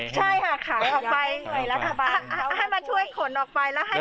ใช่ค่ะขายออกไปให้มาช่วยขนออกไปแล้วให้เขาเก็บน้อย